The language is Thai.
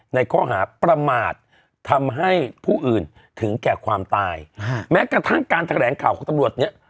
ในข้อหาประมาททำให้ผู้อื่นถึงแก่ความตายแม้กระทั่งการแถลงข่าวของตำรวจเนี่ย